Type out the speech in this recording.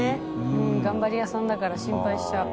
うん頑張り屋さんだから心配しちゃう